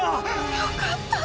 よかった。